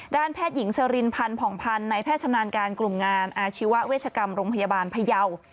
ด้านแพทย์หญิงสรินพันธ์ผ่องพันธ์ในแพทย์ชำนาญการกลุ่มงานอาชีวเวชกรรมโรงพยาบาลพยาว